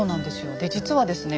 で実はですね